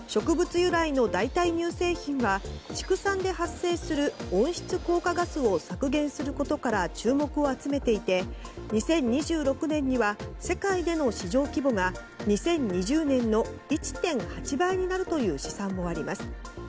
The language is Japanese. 由来の代替乳製品は畜産で発生する温室効果ガスを削減することから注目を集めていて２０２６年には世界での市場規模が２０２０年の１．８倍になるという試算もあります。